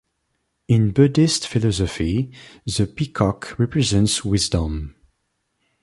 In Buddhist philosophy, the peacock represents wisdom.